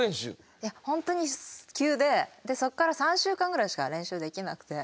いや本当に急でそこから３週間ぐらいしか練習できなくて。